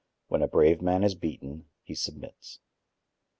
—when a brave man is beaten, he submits.